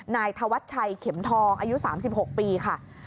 นายธวัชชัยเข็มทองอายุ๓๖ปีค่ะ